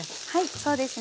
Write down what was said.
そうですね。